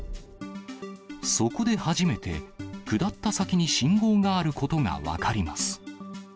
そこで初めて、下った先に信号があることが分かります。